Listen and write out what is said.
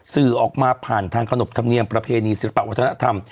สื่อออกมาผ่านทางขนบธรรมเนียมประเพณีศิลปะวัฒนธรรม